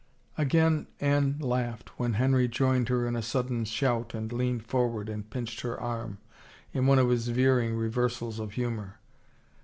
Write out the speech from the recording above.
Again Anne laughed and Henry joined her in a sud den shout and leaned forward and pinched her arm, in one of his veering reversals of humor.